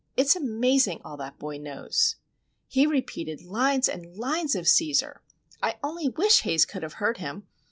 It's amazing all that boy knows! He repeated lines and lines of Cæsar;—I only wish Haze could have heard him!